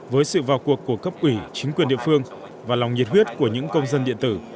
với sự vào cuộc của cấp ủy chính quyền địa phương và lòng nhiệt huyết của những công dân điện tử